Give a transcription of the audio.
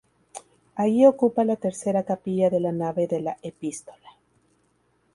Allí ocupa la tercera capilla de la nave de la Epístola.